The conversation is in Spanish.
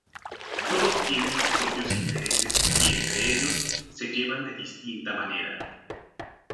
Todos tienen sus propios intereses y entre ellos se llevan de distinta manera.